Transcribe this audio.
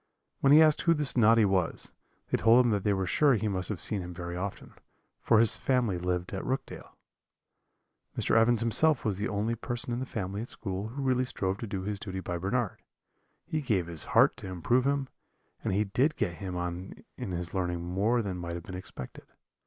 When he asked who this Noddy was, they told him that they were sure he must have seen him very often, for his family lived at Rookdale. "Mr. Evans himself was the only person in the family at school who really strove to do his duty by Bernard he gave his heart to improve him; and he did get him on in his learning more than might have been expected.